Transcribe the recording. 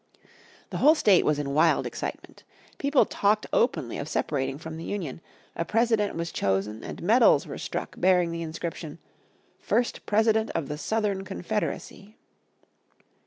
The whole state was in wild excitement. People talked openly of separating from the Union, a President was chosen and medals were struck bearing the inscription, "First President of the Southern Confederacy."